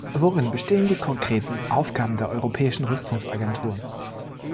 Worin bestehen die konkreten Aufgaben der Europäischen Rüstungsagentur?